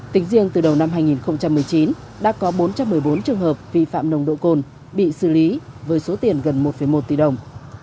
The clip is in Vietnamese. tính riêng từ đầu năm hai nghìn một mươi chín đã có bốn trăm một mươi bốn trường hợp vi phạm nồng độ cồn bị xử lý với số tiền gần một một tỷ đồng